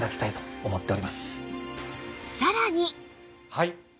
はい。